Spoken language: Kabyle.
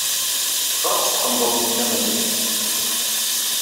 Tefṛeḥ s tqendurt-nni tamaynut.